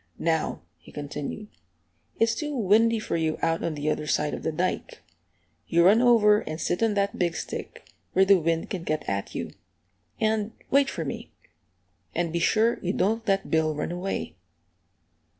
"Now," he continued, "it's too windy for you out on the other side of the dike. You run over and sit on that big stick, where the wind can't get at you; and wait for me. And be sure you don't let Bill run away."